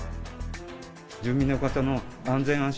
住民の方の安全安心